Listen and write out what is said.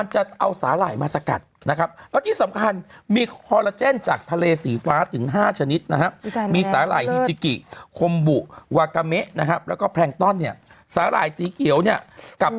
เฮลี่ซิกิคมบุวากาแม่แล้วก็แพลงต้อนเนี่ยสาหร่ายสีเกียวเนี่ยกับ